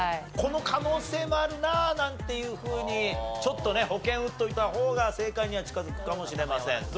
この可能性もあるななんていうふうにちょっとね保険うっておいた方が正解には近づくかもしれません。